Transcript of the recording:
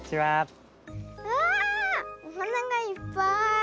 わあおはながいっぱい。